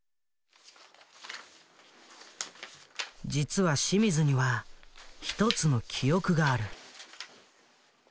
実は清水には１つの記憶がある。